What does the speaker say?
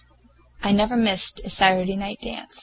I never missed a Saturday night dance.